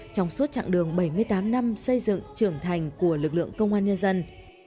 trong suốt chặng đường bảy mươi tám năm xây dựng trưởng thành của lực lượng công an nhân dân